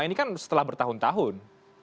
ini kan setelah bertahun tahun